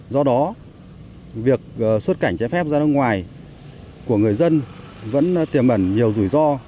do đó việc xuất cảnh trái phép ra nước ngoài của người dân vẫn tiềm ẩn nhiều rủi ro